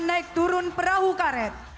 naik turun perahu karet